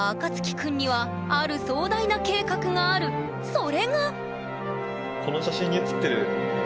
それが！